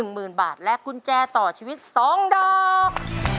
หมื่นบาทและกุญแจต่อชีวิต๒ดอก